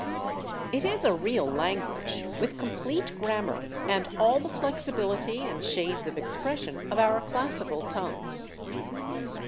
It is a real language, with complete grammar and all the flexibility and shades of expression of our classical tongues.